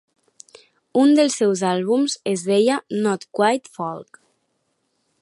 Un dels seus àlbums es deia "Not Quite Folk".